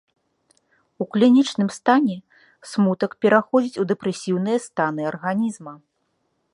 У клінічным стане смутак пераходзіць у дэпрэсіўныя станы арганізма.